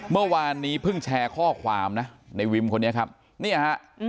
เมื่อวานนี้เพิ่งแชร์ข้อความนะในวิมคนนี้ครับเนี่ยฮะ